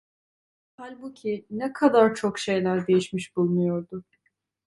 Halbuki ne kadar çok şeyler değişmiş bulunuyordu!